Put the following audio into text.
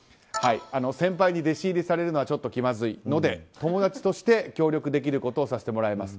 先輩に弟子入りされるのはちょっと気まずいので友達として協力できることをさせていただきますと。